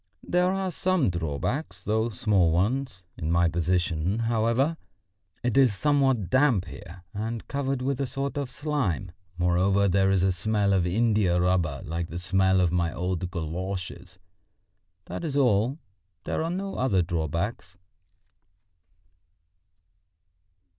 There are some drawbacks, though small ones, in my position, however; it is somewhat damp here and covered with a sort of slime; moreover, there is a smell of india rubber like the smell of my old galoshes. That is all, there are no other drawbacks."